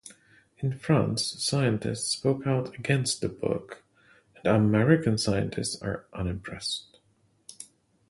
In France, scientists spoke out against the book, and American scientists are unimpressed.